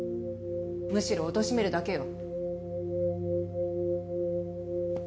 むしろおとしめるだけよ。